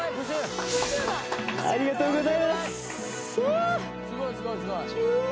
ありがとうございますしゃーっ